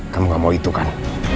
kamu gak mau itu kan